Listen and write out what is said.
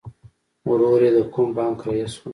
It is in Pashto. ورور یې د کوم بانک رئیس و